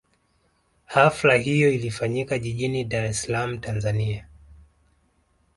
Hafla hiyo ilifanyika jijini Dar es Salaam Tanzania